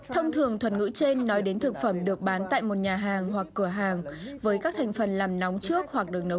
thông thường thuật ngữ trên nói đến thực phẩm được bán tại một nhà hàng hoặc cửa hàng với các thành phần làm nóng trước hoặc được nấu